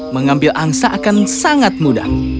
mengambil angsa akan sangat mudah